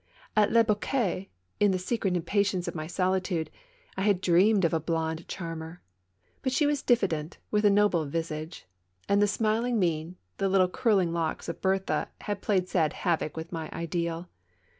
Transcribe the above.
At LeBoquet, in the secret impatience of my solitude, I had dreamed of a blonde charmer; but she was diffident, with a noble visage, and the smiling mien, the little curly locks of Berthe had played sad havoc with my ideal.